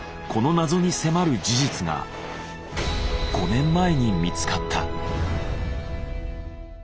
この謎に迫る事実が５年前に見つかった。